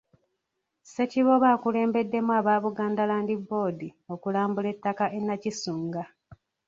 Ssekiboobo akulembeddemu aba Buganda Land Board okulambula ettaka e Nakisunga.